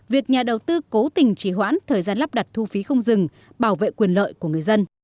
việc nhà đầu tư cố tình chỉ hoãn thời gian lắp đặt thu phí không dừng bảo vệ quyền lợi của người dân